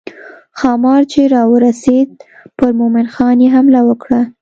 ښامار چې راورسېد پر مومن خان یې حمله وکړه.